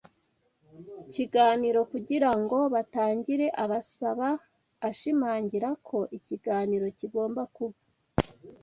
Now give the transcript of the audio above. kiganiro kugira ngo batangire abasaba ashimangira ko ikiganiro kigomba kuba